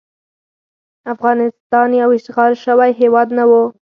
افغانستان یو اشغال شوی هیواد نه وو.